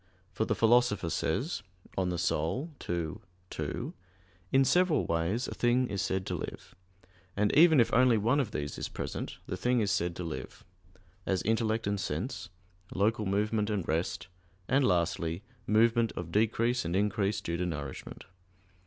For the Philosopher says (De Anima ii, 2): "In several ways a thing is said to live, and even if only one of these is present, the thing is said to live; as intellect and sense, local movement and rest, and lastly, movement of decrease and increase due to nourishment."